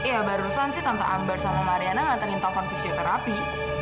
ya barusan sih tante akbar sama mariana gak teringin telfon fisioterapi